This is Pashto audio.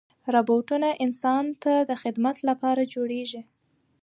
روبوټونه انسان ته د خدمت لپاره جوړېږي.